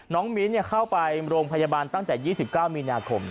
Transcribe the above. น้องมิ้นเนี่ยเข้าไปโรงพยาบาลตั้งแต่๒๙มีนาคม